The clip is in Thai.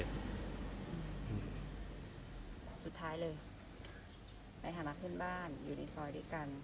สุดท้ายเลยในฮาลาคพื้นบ้านยูนิทรอยด้วยกัน